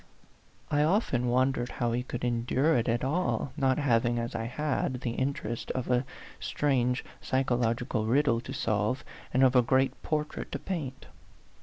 I often wondered how he could endure it at all, not having, as I had, the interest of a strange psychological riddle to solve, and of a great portrait to paint.